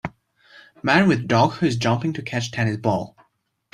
Man with dog who is jumping to catch tennis ball